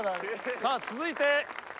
さあ続いて。